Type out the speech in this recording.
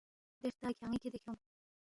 دے ہرتا کھیان٘ی کِھدے کھیونگ